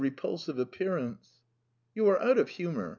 . repulsive appearance." "You are out of humour.